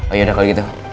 oh iya udah kalau gitu